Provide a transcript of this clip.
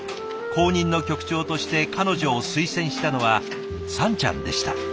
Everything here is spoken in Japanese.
後任の局長として彼女を推薦したのはさんちゃんでした。